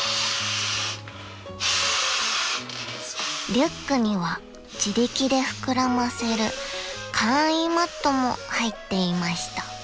［リュックには自力で膨らませる簡易マットも入っていました］